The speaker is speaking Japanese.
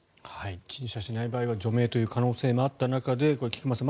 陳謝しない場合は除名という可能性もあった中でこれ、菊間さん